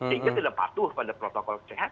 sehingga tidak patuh pada protokol sehat